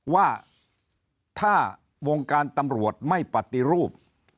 ว่าถ้าวงการตำรวจไม่ปฏิรูป